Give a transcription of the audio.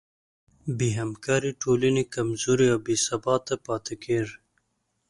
بېهمکارۍ ټولنه کمزورې او بېثباته پاتې کېږي.